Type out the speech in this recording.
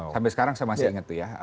sampai sekarang saya masih ingat tuh ya